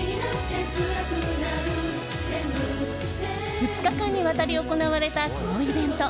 ２日間にわたり行われたこのイベント。